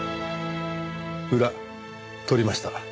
裏取りました。